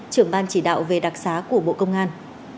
trưởng ban chỉ đạo về đặc xá của bộ công an